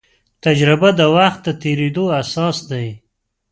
تجربه د وخت د تېرېدو احساس دی.